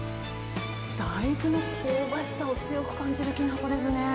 大豆の香ばしさを強く感じるきな粉ですね。